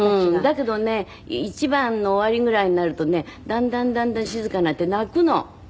だけどね１番の終わりぐらいになるとねだんだんだんだん静かになって泣くの。